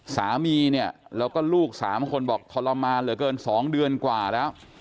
สามีเนี่ยแล้วก็ลูก๓คนบอกทรมานเหลือเกิน๒เดือนกว่าแล้ว